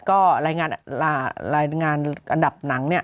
ก็รายงานอันดับหนัง